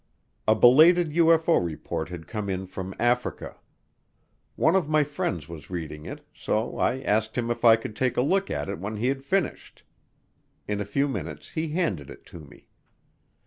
A belated UFO report had come in from Africa. One of my friends was reading it, so I asked him if I could take a look at it when he had finished. In a few minutes he handed it to me.